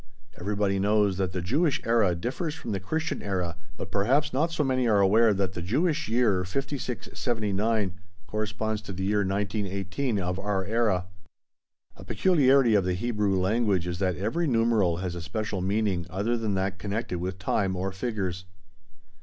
Everybody knows that the Jewish era differs from the Christian era, but perhaps not so many are aware that the Jewish year 5679 corresponds to the year 1918 of our era. A peculiarity of the Hebrew language is that every numeral has a special meaning other than that connected with time or figures.